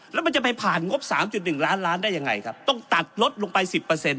แล้วมันจะไปผ่านงบสามจุดหนึ่งล้านล้านได้ยังไงครับต้องตัดลดลงไปสิบเปอร์เซ็นต์